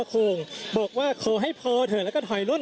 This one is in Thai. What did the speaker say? คุณภูริพัฒน์บุญนิน